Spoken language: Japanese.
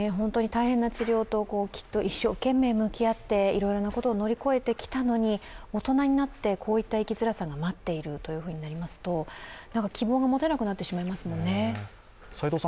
大変な治療と、きっと一生懸命向き合っていろいろなことを乗り越えてきたのに、大人になってこういった生きづらさが待っているとなりますと希望が持てなくなってしまいますよね。